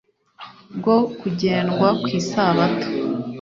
Rwo kugendwa ku isabato